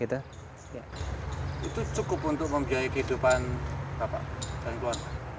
itu cukup untuk membiayai kehidupan bapak dan keluarga